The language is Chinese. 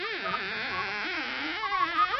新安人。